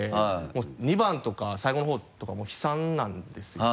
もう２番とか最後の方とかもう悲惨なんですよ。